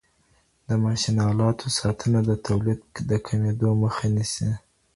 د ماشین آلاتو ساتنه د تولید د کمیدو مخه نیسي.